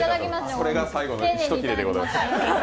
これが最後の１切れでございます。